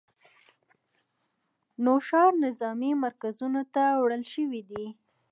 نوښار نظامي مرکزونو ته وړل شوي دي